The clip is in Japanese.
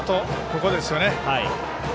ここですよね。